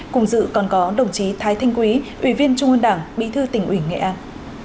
cùng dự còn có đồng chí thái thanh quý ủy viên trung ơn đảng bị thư tỉnh nghệ an